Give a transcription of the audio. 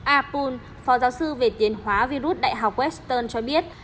apul phó giáo sư về tiến hóa virus đại học weston cho biết